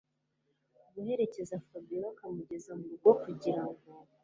guherekeza Fabiora akamugeza murugo kugira ngo